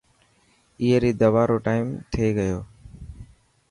اي ري دوا رو ٽائيمٿي گيو.